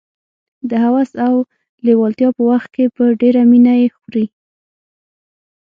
د هوس او لېوالتیا په وخت کې په ډېره مینه یې خوري.